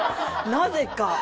なぜか。